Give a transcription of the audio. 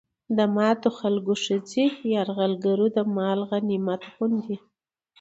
د ماتو خلکو ښځې يرغلګرو د مال غنميت غوندې